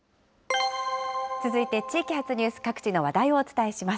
続いて地域発ニュース、各地の話題をお伝えします。